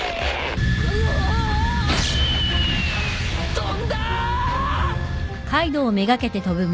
飛んだ！